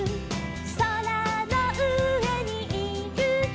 「そらのうえにいると」